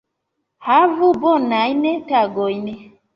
Havu bonajn tagojn!